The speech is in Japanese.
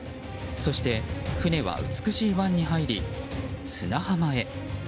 そして、船は美しい湾に入り砂浜へ。